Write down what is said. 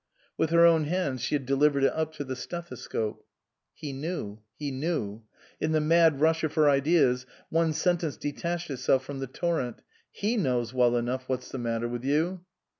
With her own hands she had delivered it up to the stethoscope. He knew, he knew. In the mad rush of her ideas one sentence detached itself from the torrent. " He knows well enough what's the matter with you."